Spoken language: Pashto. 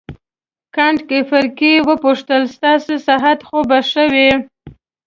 کانت ګریفي وپوښتل ستاسې صحت خو به ښه وي.